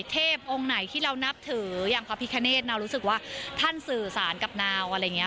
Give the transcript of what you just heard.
เทพองค์ไหนที่เรานับถืออย่างพระพิคเนธนาวรู้สึกว่าท่านสื่อสารกับนาวอะไรอย่างนี้